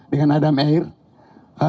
dua ribu dengan adam eyre